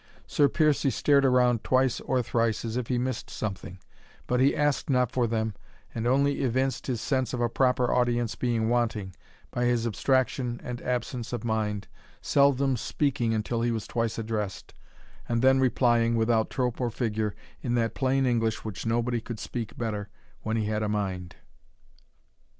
Sir Piercie stared around twice or thrice as if he missed something; but he asked not for them, and only evinced his sense of a proper audience being wanting, by his abstraction and absence of mind, seldom speaking until he was twice addressed, and then replying, without trope or figure, in that plain English which nobody could speak better when he had a mind.